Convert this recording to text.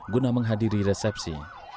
guna menghadiri resepsi